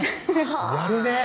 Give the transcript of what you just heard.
やるね